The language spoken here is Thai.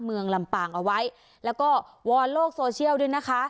เมืองลำปางเอาไว้แล้วก็วอนโลกโซเชียลด้วยนะคะ